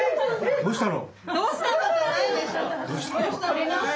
どうしたの？